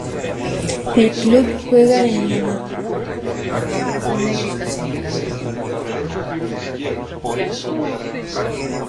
El club juega en la National Hockey League encuadrado en la División Central.